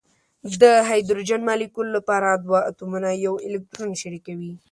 د هایدروجن مالیکول لپاره دوه اتومونه یو الکترون شریکوي.